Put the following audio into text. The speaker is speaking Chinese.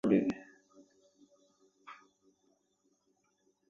价电子同时亦决定该元素的电导率。